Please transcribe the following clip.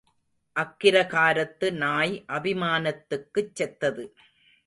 அக்கிரகாரத்து நாய் அபிமானத்துக்குச் செத்தது.